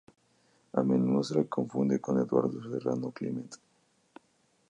A menudo se le confunde con Eduardo Serrano Climent a.k.a.